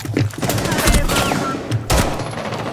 ทะเลโบโฮล